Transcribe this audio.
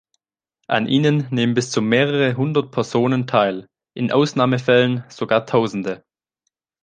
An ihnen nehmen bis zu mehrere Hundert Personen teil, in Ausnahmefällen sogar tausende.